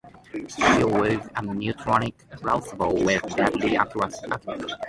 She wields a neutronic crossbow with deadly accuracy.